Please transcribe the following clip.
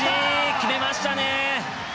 決めましたね！